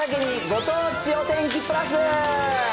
ご当地お天気プラス。